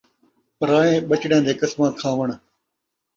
پرائیں ٻچڑیاں دیاں قسماں کھاوݨ